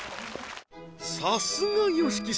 さすがＹＯＳＨＩＫＩ様